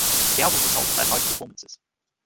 The album was sold at their live performances.